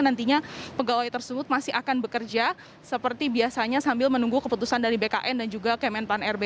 nantinya pegawai tersebut masih akan bekerja seperti biasanya sambil menunggu keputusan dari bkn dan juga kemenpan rb